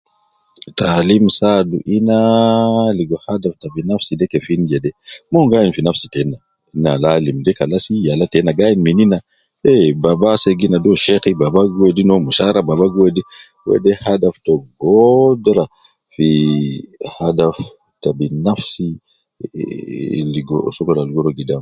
Taalim saadu inaa, ligo adab te binafsi de kefin jede, mon gi ayinu fi nafsi tena, ne al alim de kalasi yala tena gi ayin min ina, ehh baba asede gi nadi uwo sheki baba gi wedi no mushara, baba gi wedi, wede hadaf te goodura fi hadaf te binafsi, ehh ligo sokol al gi ruwa